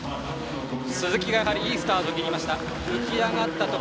鈴木がいいスタートを切りました。